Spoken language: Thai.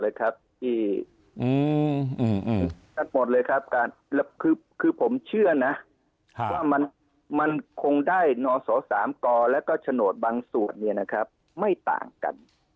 เป็นทั้งหมดเลยครับคือผมเชื่อน่ะมันคงได้นอสสามกและโฉนนท์บางส่วนไม่ต่างกัน